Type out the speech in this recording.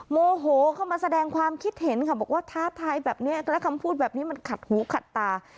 โมโหเข้ามาแสดงความคิดเห็นค่ะบอกว่าท้าทายแบบนี้แล้วคำพูดแบบนี้มันขัดหูขัดตา